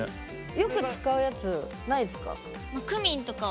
よく使うやつないですか？